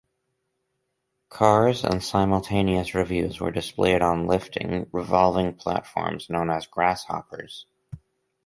Cars and simultaneous revues were displayed on lifting, revolving platforms known as "grass-hoppers".